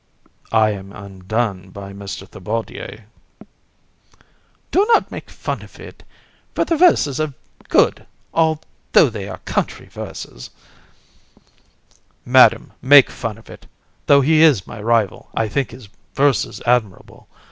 VISC. I am undone by Mr. Thibaudier. COUN. Do not make fun of it; for the verses are good although they are country verses. VISC. I, Madam, make fun of it! Though he is my rival, I think his verses admirable.